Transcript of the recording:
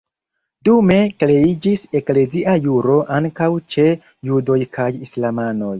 Dume kreiĝis eklezia juro ankaŭ ĉe judoj kaj islamanoj.